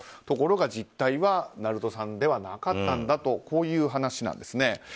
ところが実態は鳴門産ではなかったんだという話なんですね。